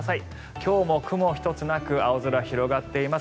今日も雲一つなく青空が広がっています。